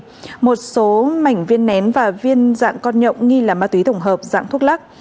ketamin một số mảnh viên nén và viên dạng con nhộng nghi là ma túy thủng hợp dạng thuốc lắc